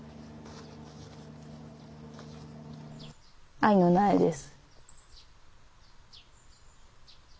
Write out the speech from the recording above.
藍の苗です。